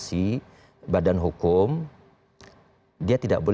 bisa juga setelah itu dia bisa menjelaskan bahwa